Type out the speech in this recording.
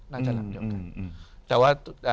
น่าจะหลังเดียวกัน